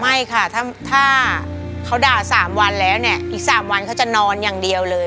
ไม่ค่ะถ้าเขาด่า๓วันแล้วเนี่ยอีก๓วันเขาจะนอนอย่างเดียวเลย